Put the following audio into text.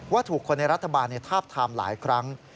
ถูกคนในรัฐบาลทาบทามหลายครั้ง